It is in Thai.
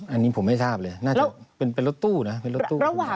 อันนี้ผมไม่ทราบเลยน่าจะเป็นละตู้นะ